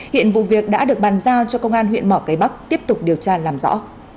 hiện vụ việc đã được bàn giao cho công an huyện mỏ cái bắc tiếp tục điều tra làm rõ